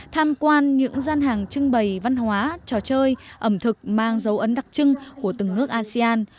tham quan những gian hàng trưng bày văn hóa trò chơi ẩm thực mang dấu ấn đặc trưng của từng nước asean